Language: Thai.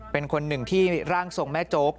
เป็นคนหนึ่งที่ร่างทรงแม่โจ๊ก